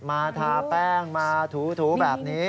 ทาแป้งมาถูแบบนี้